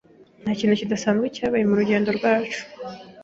Ntakintu kidasanzwe cyabaye murugendo rwacu.